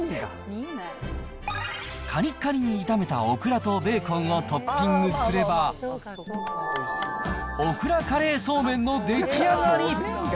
かりかりに炒めたベーコンをトッピングすれば、オクラカレーそうめんの出来上がり。